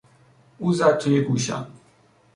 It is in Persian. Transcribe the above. او زد توی گوشم.